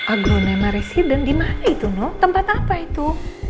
agronema residen dimana itu no tempat apa itu